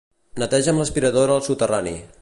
Neteja amb l'aspiradora el soterrani.